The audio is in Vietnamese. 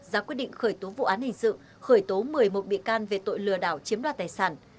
ra quyết định khởi tố vụ án hình sự khởi tố một mươi một bị can về tội lừa đảo chiếm đoạt tài sản